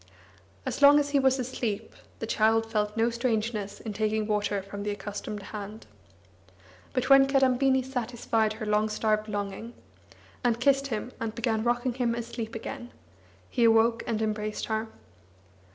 As long as he was asleep, the child felt no strangeness in taking water from the accustomed hand. But when Kadambini satisfied her long starved longing, and kissed him and began rocking him asleep again, he awoke and embraced her.